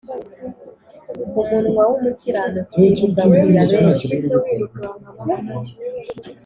umunwa w’umukiranutsi ugaburira benshi,